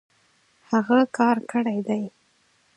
هغۀ کار کړی دی